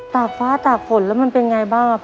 ตากฟ้าตากฝนแล้วมันเป็นไงบ้าง